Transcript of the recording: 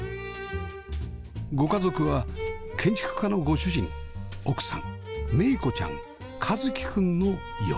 ご家族は建築家のご主人奥さんめいこちゃん一樹くんの４人